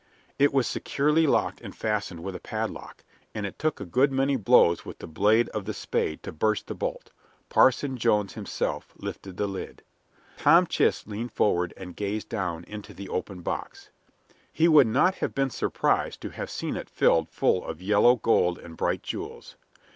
It was securely locked and fastened with a padlock, and it took a good many blows with the blade of the spade to burst the bolt. Parson Jones himself lifted the lid. Tom Chist leaned forward and gazed down into the open box. He would not have been surprised to have seen it filled full of yellow gold and bright jewels.